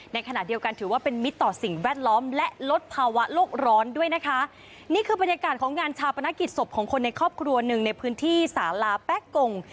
ในขณะเดียวกันถือว่าเป็นมิตรต่อสิ่งแวดล้อมและลดภาวะโลกร้อนด้วยนะคะนี่คือบรรยากาศของงานชาปนกิจศพของคนในครอบครัวหนึ่งในพื้นที่สาลาแป๊กกง